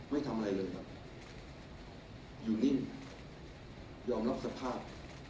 ไม่ทำอะไรเลยครับอยู่นิ่งยอมรับสภาพ